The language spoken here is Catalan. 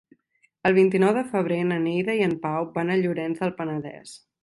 El vint-i-nou de febrer na Neida i en Pau van a Llorenç del Penedès.